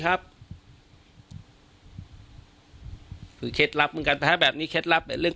การแก้เคล็ดบางอย่างแค่นั้นเอง